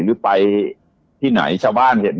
หรือไปที่ไหนชาวบ้านเห็น